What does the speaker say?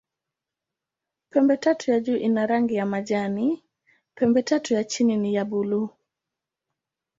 Pembetatu ya juu ina rangi ya majani, pembetatu ya chini ni ya buluu.